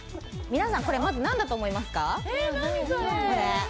皆さん、これまず何だと思いますか？